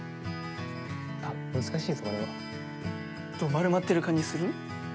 丸まってる感じする？